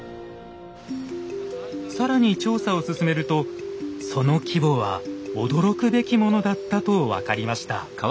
更に調査を進めるとその規模は驚くべきものだったと分かりました。